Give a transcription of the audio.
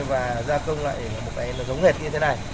và gia công lại là một cái nó giống hết như thế này